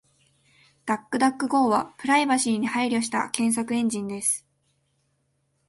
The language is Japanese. DuckDuckGo はプライバシーに配慮した検索エンジンです。